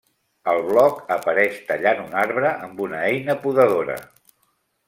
Al bloc apareix tallant un arbre amb una eina podadora.